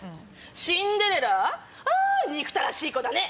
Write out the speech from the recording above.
シンデレラあ憎たらしい子だね。